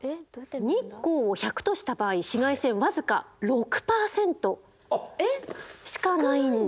日光を１００とした場合紫外線僅か６％しかないんです。